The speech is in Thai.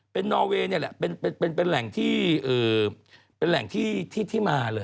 เป็นนอเวย์เนี่ยแหละเป็นแหล่งที่มาเลย